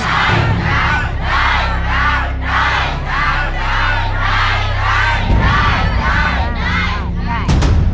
ไม่ได้